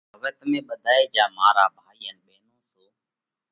هوَئہ تمي ٻڌائي جيا مارا ڀائِي ان ٻينون سو،